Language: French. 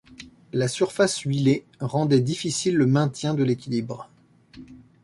La surface huilée rendait difficile le maintien de l’équilibre.